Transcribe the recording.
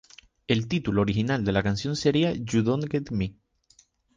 El título original de la canción sería "You Don't Get Me".